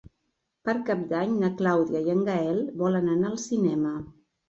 Per Cap d'Any na Clàudia i en Gaël volen anar al cinema.